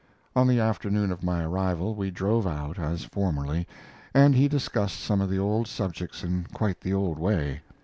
On the afternoon of my arrival we drove out, as formerly, and he discussed some of the old subjects in quite the old way.